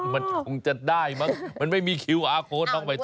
มันคงจะได้มั้งมันไม่มีคิวอาร์โค้ดน้องใบตอ